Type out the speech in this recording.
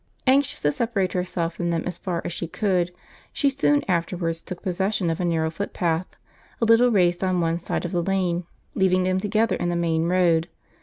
Anxious to separate herself from them as far as she could, she soon afterwards took possession of a narrow footpath, a little raised on one side of the lane, leaving them together in the main road.